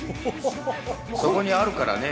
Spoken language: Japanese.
そこにあるからね。